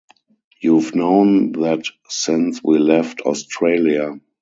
You've known that since we left Australia.